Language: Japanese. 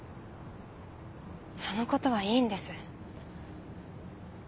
そのことはいいんです。